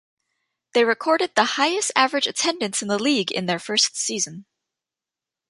They recorded the highest average attendance in the league in their first season.